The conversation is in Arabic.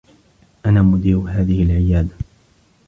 أنا مدير هذه العيادة.